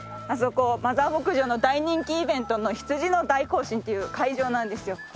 あそこマザー牧場の大人気イベントの「ひつじの大行進」っていう会場なんですよ。